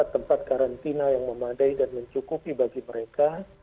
terima kasih pak